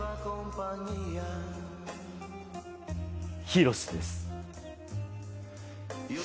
ヒロシです。